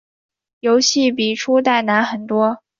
游戏比初代难很多。